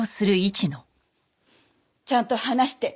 ちゃんと話して。